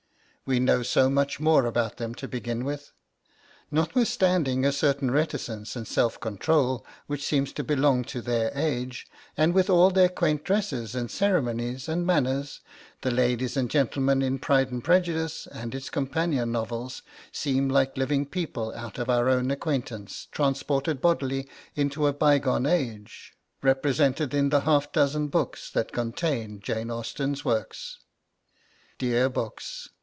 We know so much more about them to begin with. Notwithstanding a certain reticence and self control which seems to belong to their age, and with all their quaint dresses, and ceremonies, and manners, the ladies and gentlemen in 'Pride and Prejudice' and its companion novels seem like living people out of our own acquaintance transported bodily into a bygone age, represented in the half dozen books that contain Jane Austen's works. Dear books!